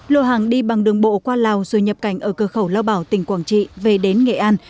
lô hàng đi bằng đường bộ qua lào rồi nhập cảnh ở cơ khẩu lao bảo tỉnh quảng trị về đến nghệ an